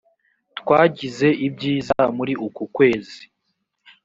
twagize ibyiza muri uku kwezi.